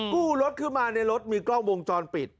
รถขึ้นมาในรถมีกล้องวงจรปิด